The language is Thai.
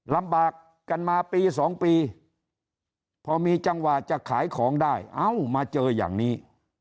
ลำบากกันมาปี๒ปีพอมีจังหวะจะขายของได้เอ้ามาเจออย่างนี้